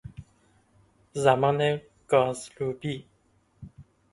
زمان گازروبی